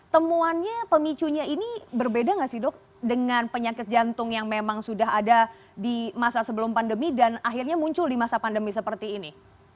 temuannya pemicunya ini berbeda nggak sih dok dengan penyakit jantung yang memang sudah ada di masa sebelum pandemi dan akhirnya muncul di masa pandemi seperti ini